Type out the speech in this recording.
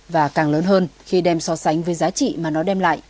và càng lớn hơn khi đem so sánh với giá trị mà nó đem lại